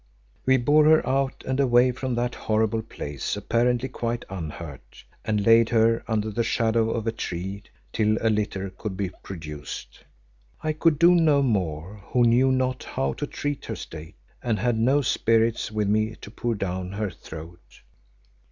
We bore her out and away from that horrible place, apparently quite unhurt, and laid her under the shadow of a tree till a litter could be procured. I could do no more who knew not how to treat her state, and had no spirits with me to pour down her throat.